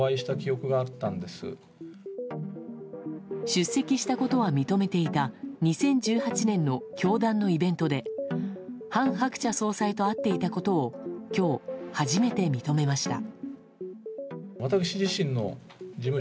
出席したことは認めていた２０１８年の教団のイベントで韓鶴子総裁と会っていたことを今日、初めて認めました。